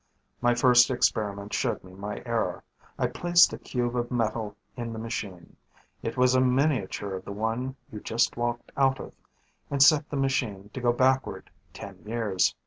"My first experiment showed me my error. I placed a cube of metal in the machine it was a miniature of the one you just walked out of and set the machine to go backward ten years.